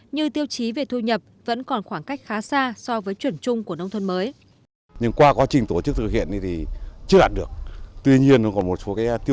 như tiêu chí về thu nhập vẫn còn khoảng cách khá xa so với chuẩn chung của nông thôn mới